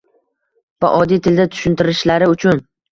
va oddiy tilda tushuntirishlari uchun